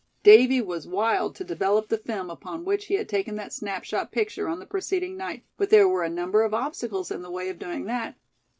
Davy was wild to develop the film upon which he had taken that snapshot picture on the preceding night; but there were a number of obstacles in the way of doing that.